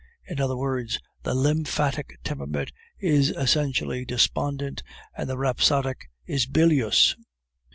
In other words, the lymphatic temperament is essentially despondent, and the rhapsodic is bilious.